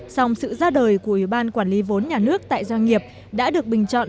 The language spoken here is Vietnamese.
song sự ra đời của ủy ban quản lý vốn nhà nước tại doanh nghiệp đã được bình chọn